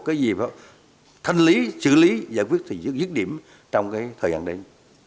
cái gì phải thân lý xử lý giải quyết thì giữ dứt điểm trong thời gian đến